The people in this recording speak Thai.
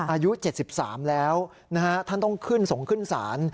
อายุ๗๓แล้วนะฮะท่านต้องขึ้นส่งขึ้นศาล